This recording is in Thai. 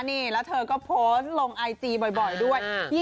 นี่แล้วเธอก็โพสต์ลงไอจีบ่อยด้วย